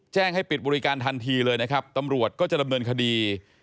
ให้ปิดบริการทันทีเลยนะครับตำรวจก็จะดำเนินคดี